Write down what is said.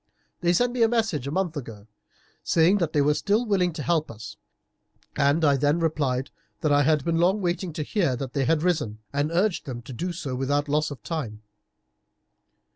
They sent me a message a month ago, saying that they were still willing to help us, and I then replied that I had been long waiting to hear that they had risen, and urged them to do so without loss of time.